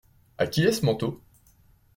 À qui est ce manteau ?